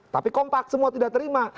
tapi kompak semua tidak terima